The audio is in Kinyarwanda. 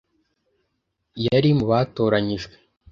yari mu batoranijwe